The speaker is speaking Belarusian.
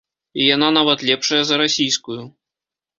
Яна нават лепшая за расійскую.